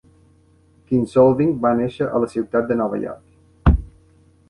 Kinsolving va néixer a la ciutat de Nova York.